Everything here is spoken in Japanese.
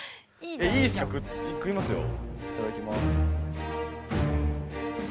いただきます。